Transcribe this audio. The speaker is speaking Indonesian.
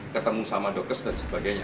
ketemu sama dokes dan sebagainya